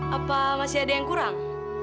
apa masih ada yang kurang